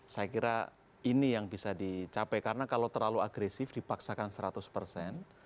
saya kira ini yang bisa dicapai karena kalau terlalu agresif dipaksakan seratus persen